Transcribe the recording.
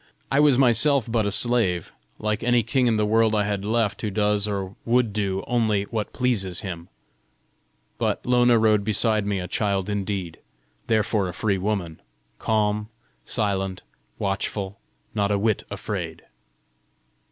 I was myself but a slave, like any king in the world I had left who does or would do only what pleases him! But Lona rode beside me a child indeed, therefore a free woman calm, silent, watchful, not a whit afraid!